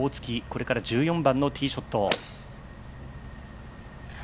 これから１４番のティーショット。